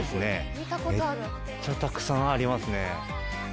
めっちゃたくさんありますね。